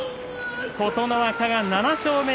琴ノ若、７勝目。